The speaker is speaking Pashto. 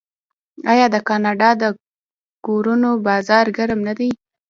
آیا د کاناډا د کورونو بازار ګرم نه دی؟